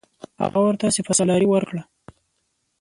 هغه ورته سپه سالاري ورکړه.